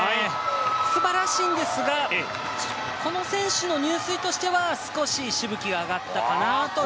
素晴らしいんですがこの選手の入水としては少し、しぶきが上がったかなという。